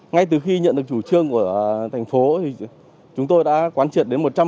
ngay từ khi nhận được chủ trương của thành phố chúng tôi đã quán triệt đến một trăm linh